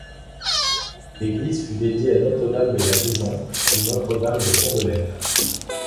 L'église fut dédiée à Notre-Dame de la Gisante ou Notre-Dame de Tombelaine.